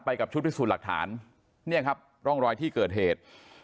กับชุดพิสูจน์หลักฐานเนี่ยครับร่องรอยที่เกิดเหตุ